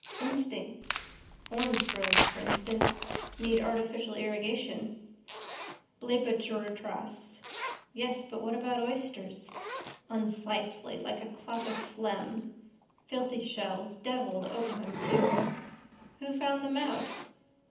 Instinct. Orangegroves for instance. Need artificial irrigation. Bleibtreustrasse. Yes but what about oysters. Unsightly like a clot of phlegm. Filthy shells. Devil to open them too. Who found them out?